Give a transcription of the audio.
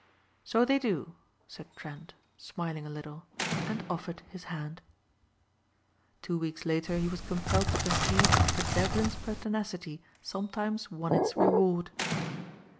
"So they do," said Trent smiling a little, and offered his hand. Two weeks later he was compelled to concede that Devlin's pertinacity sometimes won its reward.